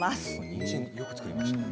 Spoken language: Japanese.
にんじんよく作りましたね。